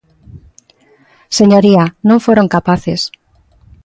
Señoría, non foron capaces.